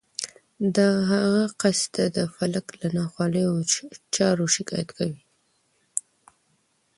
د هغه قصیده د فلک له ناخوالو او چارو شکایت کوي